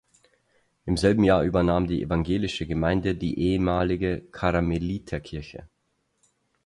Im selben Jahr übernahm die evangelische Gemeinde die ehemalige Karmeliterkirche.